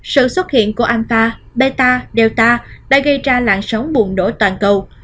sự xuất hiện của alpha beta delta đã gây ra lạng sóng buồn đổ toàn cầu